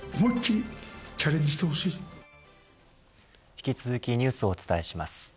引き続きニュースをお伝えします。